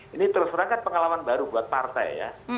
ini terserahkan pengalaman baru buat partai ya